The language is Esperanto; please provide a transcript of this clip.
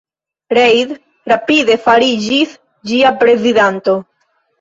Reid rapide fariĝis ĝia prezidanto.